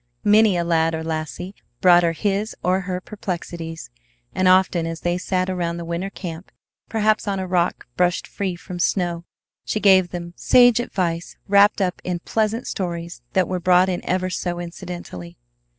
Many a lad or lassie brought her his or her perplexities; and often as they sat around the winter camp, perhaps on a rock brushed free from snow, she gave them sage advice wrapped up in pleasant stories that were brought in ever so incidentally.